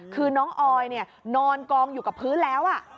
คือน้องออยนอนกองอยู่กับพื้นแล้ว